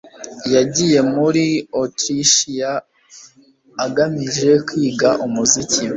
Yagiye muri Otirishiya agamije kwiga umuziki